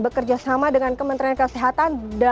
bekerja sama dengan kementerian kesehatan